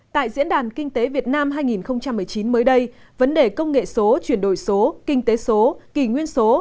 tại diễn đàn kinh tế việt nam hai nghìn một mươi chín mới đây vấn đề công nghệ số chuyển đổi số kinh tế số kỳ nguyên số